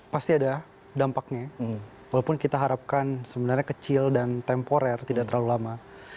pasti ada dampaknya walaupun kita harapkan sebenarnya kecil dan temporer tidak terlalu lama